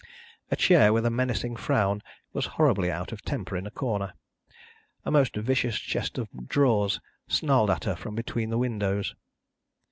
A chair with a menacing frown was horribly out of temper in a corner; a most vicious chest of drawers snarled at her from between the windows.